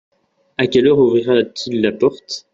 À quelle heure ouvrira-t-il la porte ?